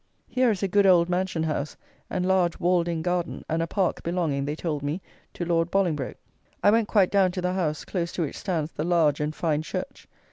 Here is a good old mansion house and large walled in garden and a park belonging, they told me, to Lord Bolingbroke. I went quite down to the house, close to which stands the large and fine church.